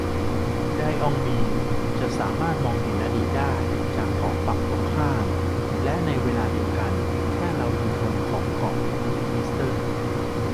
ไดออมีด จะสามารถมองเห็นอดีตได้จากเกาะฝั่งตรงกันข้าม และในเวลาเดียวกันแค่เราอยู่บนของเกาะลิตเติล